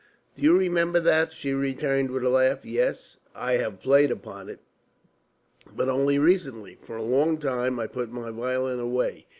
"Do you remember that?" she returned, with a laugh. "Yes, I have played upon it, but only recently. For a long time I put my violin away.